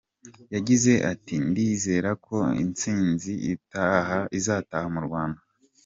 Yagize ati “Ndizera ko intsinzi izataha mu Rwanda”.